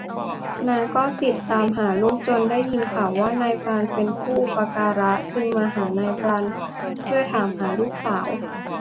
นางก็ติดตามหาลูก จนได้ยินข่าวว่านายพรานเป็นผู้อุปการะจึงมาหานายพรานเพื่อถามหาลูกสาว